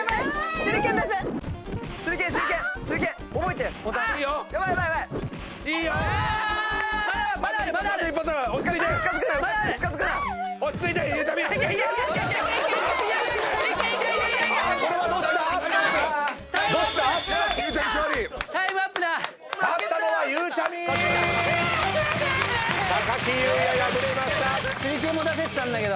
手裏剣出せてたんだけど。